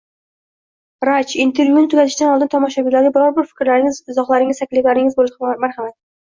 Raj, intervyuni tugatishdan oldin, tomoshabinlarga biror bir fikrlaringiz, izohlaringiz, takliflaringiz boʻlsa, marhamat.